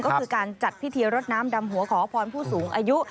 ก็คือการจัดพิธีรดน้ำดำหัวขอพรผู้สูงอายุ